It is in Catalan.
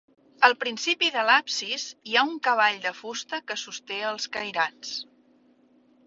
Al principi de l'absis hi ha un cavall de fusta que sosté els cairats.